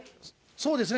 そうですね。